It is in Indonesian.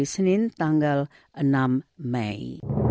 senin tanggal enam mei